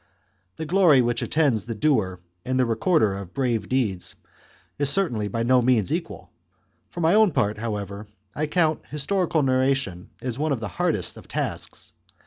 The glory which attends the doer and the recorder of brave deeds is certainly by no means equal. For my own part, however, I count historical narration as one of the hardest of tasks.